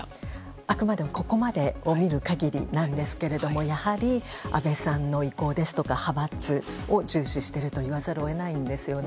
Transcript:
あくまでここまでを見る限りなんですがやはり、安倍さんの意向ですとか派閥を重視していると言わざるを得ないんですよね。